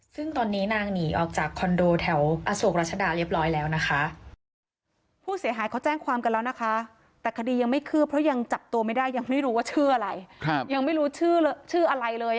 ซึ่งตอนนี้นางหนีออกจากคอนโดแถวอโศกรัชดาเรียบร้อยแล้วนะคะ